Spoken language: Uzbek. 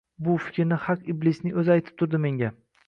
Bu fikrni naq iblisning o`zi aytib turdi menga